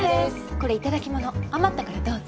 これ頂き物余ったからどうぞ。